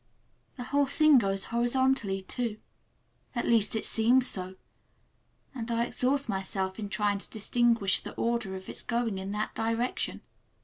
The whole thing goes horizontally, too, at least it seems so, and I exhaust myself in trying to distinguish the order of its going in that direction.